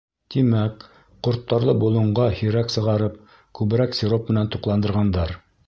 Тимәк, ҡорттарҙы болонға һирәк сығарып, күберәк сироп менән туҡландырғандар.